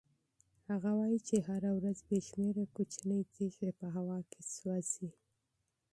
هغه وایي چې هره ورځ بې شمېره کوچنۍ تېږې په هوا کې سوځي.